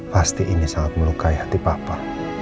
pasti ini sangat melukai hati papa